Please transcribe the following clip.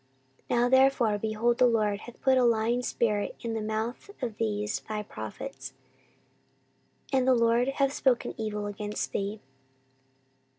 14:018:022 Now therefore, behold, the LORD hath put a lying spirit in the mouth of these thy prophets, and the LORD hath spoken evil against thee.